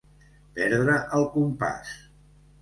Perdre el compàs.